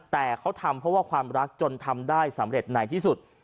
แต่เขาทำเพราะว่าความรักจนทำได้สำเร็จในที่สุด